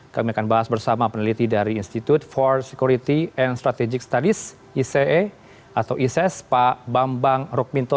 kami akan bahas bersama peneliti dari institute for security and strategic studies ice atau ises pak bambang rukminto